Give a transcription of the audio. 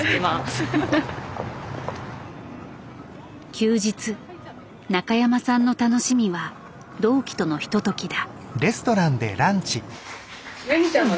休日中山さんの楽しみは同期とのひとときだ。